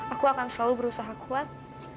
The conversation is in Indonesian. aku akan selalu berusaha kuat